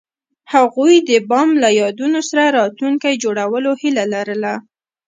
هغوی د بام له یادونو سره راتلونکی جوړولو هیله لرله.